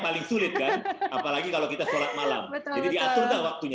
paling sulit kan apalagi kalau kita sholat malam betul betul jadi diatur dah waktunya